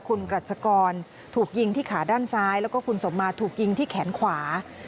คุณกรัชกรถูกยิงที่ขาด้านซ้ายแล้วก็คุณสมมาถูกยิงที่แขนขวา